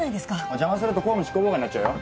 邪魔すると公務執行妨害になっちゃうよ。